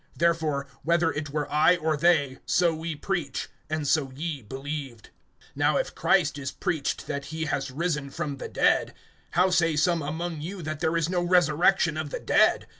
(11)Therefore whether it were I or they, so we preach, and so ye believed. (12)Now if Christ is preached that he has risen from the dead, how say some among you that there is no resurrection of the dead?